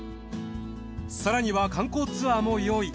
更には観光ツアーも用意。